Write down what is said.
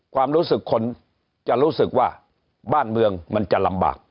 ความรู้สึกคนจะรู้สึกว่าบ้านเมืองมันจะลำบาก